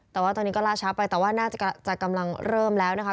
แต่ว่าตอนนี้ก็ล่าช้าไปแต่ว่าน่าจะกำลังเริ่มแล้วนะคะ